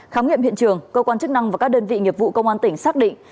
khám nghiệm hiện trường cơ quan chức năng và các đơn vị nghiệp vụ công an tỉnh xác định